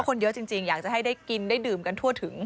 คนเยอะจริงอยากจะให้ได้กินได้ดื่มกันทั่วถึง